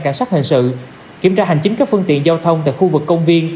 cảnh sát hình sự kiểm tra hành chính các phương tiện giao thông tại khu vực công viên